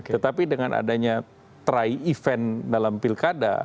tetapi dengan adanya try event dalam pilkada